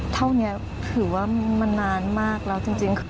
เท่านี้ถือว่ามันนานมากแล้วจริง